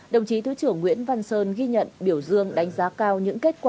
đồng chí thứ trưởng nguyễn văn sơn ghi nhận biểu dương đánh giá cao những kết quả